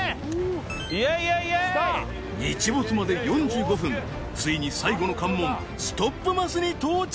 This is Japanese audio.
日没まで４５分ついに最後の関門ストップマスに到着